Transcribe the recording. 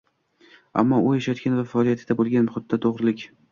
Ammo u yashayotgan va faoliyatda bo’lgan muhitda to’g’rilik